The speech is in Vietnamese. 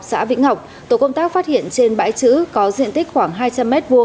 xã vĩnh ngọc tổ công tác phát hiện trên bãi chữ có diện tích khoảng hai trăm linh m hai